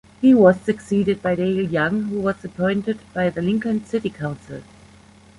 He was succeeded by Dale Young, who was appointed by the Lincoln City Council.